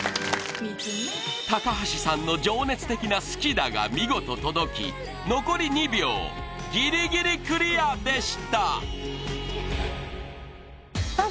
高橋さんの情熱的な「好きだ！」が見事届き残り２秒ギリギリクリアでしたさあ